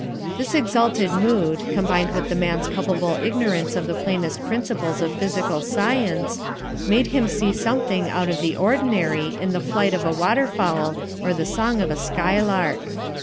This exalted mood, combined with the man's culpable ignorance of the plainest principles of physical science, made him see something out of the ordinary in the flight of a waterfowl or the song of a skylark.